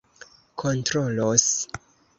kontrolos